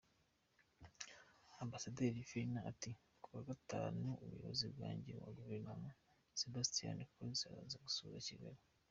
Ambasaderi Fellner ati: “Kuwa Gatanu, umuyobozi wanjye wa Guverinoma Sebastian Kurz araza gusura Kigali.